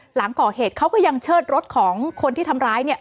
หลังก่อเหตุเขาก็ยังเชิดรถของคนที่ทำร้ายเนี่ย